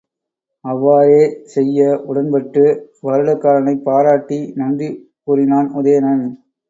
அவ்வாறே செய்ய உடன்பட்டு வருடகாரனைப் பாராட்டி நன்றி கூறினான் உதயணன்.